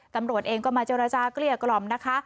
ตำรวจเองก็มาเจรจาเกลี้ยกล่อมนะคะ